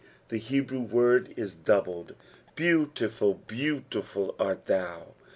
The Hebrew word is doubled, " Beautiful, beautiful urt thou."